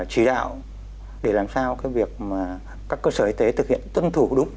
chỉ đạo để làm sao cái việc mà các cơ sở y tế thực hiện tuân thủ đúng